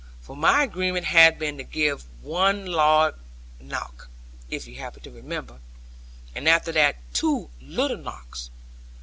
For my agreement had been to give one loud knock (if you happen to remember) and after that two little knocks.